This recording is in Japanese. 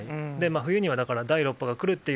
冬にはだから第６波が来るという